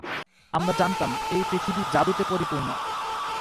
আমরা জানতাম, এই পৃথিবী জাদুতে পরিপুর্ণ।